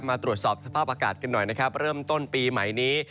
มาตรวจสอบสภาพอากาศกันหน่อยนะครับเริ่มต้นปีใหม่นี้